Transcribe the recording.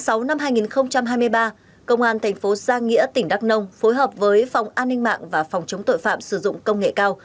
tháng sáu năm hai nghìn hai mươi ba công an thành phố giang nghĩa tỉnh đắk nông phối hợp với phòng an ninh mạng và phòng chống tội phạm sử dụng công nghệ cao